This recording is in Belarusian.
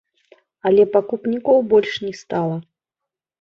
Але пакупнікоў больш не стала.